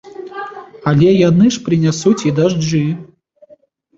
Але яны ж прынясуць і дажджы.